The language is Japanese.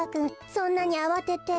そんなにあわてて。